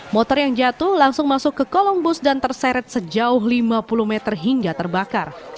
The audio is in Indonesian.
motor yang jatuh langsung masuk ke kolong bus dan terseret sejauh lima puluh meter hingga terbakar